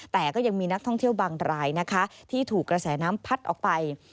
แต่ก็ยังมีนักท่องเที่ยวบางรายนะคะที่ถูกกระแสน้ำพัดออกไป